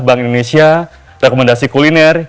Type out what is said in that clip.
bank indonesia rekomendasi kuliner